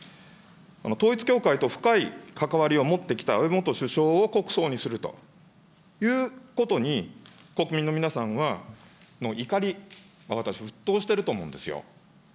統一教会と深い関わりを持ってきた安倍元首相を国葬にするということに、国民の皆さんは、怒り、私、沸騰していると思うんですよ。